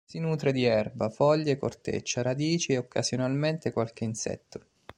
Si nutre di erba, foglie, corteccia, radici, e occasionalmente qualche insetto.